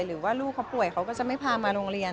หรือว่าลูกเขาป่วยเขาก็จะไม่พามาโรงเรียน